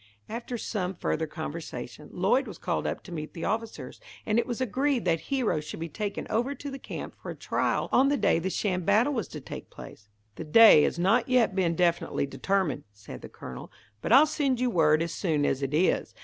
After some further conversation, Lloyd was called up to meet the officers, and it was agreed that Hero should be taken over to the camp for a trial on the day the sham battle was to take place. "The day has not yet been definitely determined," said the Colonel, "but I'll send you word as soon as it is.